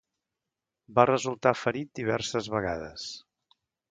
Va resultar ferit diverses vegades.